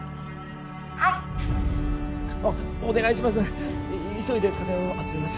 はいお願いします